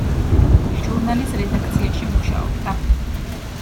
ჟურნალის რედაქციაში მუშაობდა.